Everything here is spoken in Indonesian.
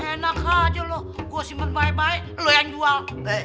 enak aja lo gue simpan baik baik lo yang jual